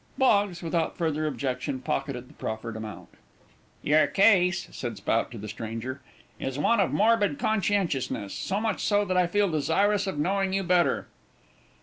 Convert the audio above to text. Boggs, without further objection pocketed the proffered amount. "Your case," said Spout, to the stranger; "is one of morbid concientiousness; so much so that I feel desirous of knowing you better."